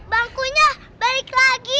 bangkunya balik lagi